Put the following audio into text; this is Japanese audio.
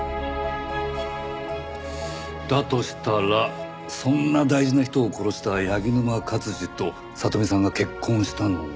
だとしたらそんな大事な人を殺した柳沼勝治と聖美さんが結婚したのは。